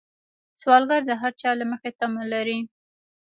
سوالګر د هر چا له مخې تمه لري